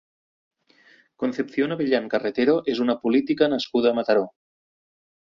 Concepción Abellán Carretero és una política nascuda a Mataró.